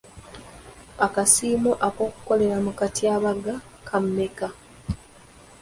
Akasiimo k'okukolera mu katyabaga ka mmeka?